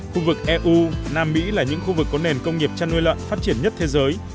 khu vực eu nam mỹ là những khu vực có nền công nghiệp chăn nuôi lợn phát triển nhất thế giới